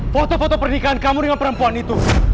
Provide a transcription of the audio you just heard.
foto foto pernikahan kamu dengan perempuan itu